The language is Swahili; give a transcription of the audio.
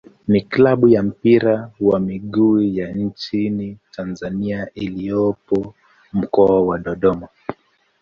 ni klabu ya mpira wa miguu ya nchini Tanzania iliyopo Mkoa wa Dodoma.